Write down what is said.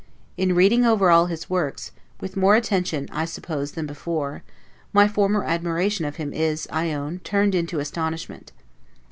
In reading over all his works, with more attention I suppose than before, my former admiration of him is, I own, turned into astonishment.